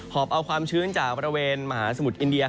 อบเอาความชื้นจากบริเวณมหาสมุทรอินเดีย